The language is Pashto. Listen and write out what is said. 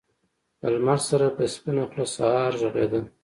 له لمر سره په سپينه خــــوله سهار غــــــــږېده